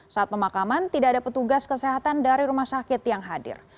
saat pemakaman tidak ada petugas kesehatan dari rumah sakit yang hadir